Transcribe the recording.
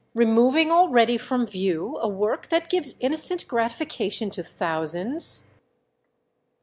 —removing already from view a work that gives innocent gratification to thousands?"